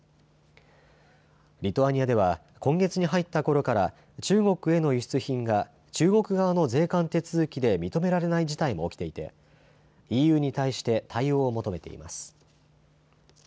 リトアニアでは今月に入ったころから中国への輸出品が中国側の税関手続きで認められない事態も起きていてＥＵに対して対応を求めています。